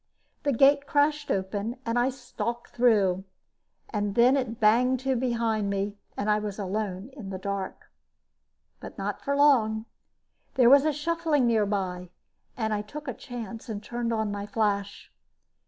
The gate crashed open and I stalked through; then it banged to behind me and I was alone in the dark. But not for long there was a shuffling nearby and I took a chance and turned on my flash.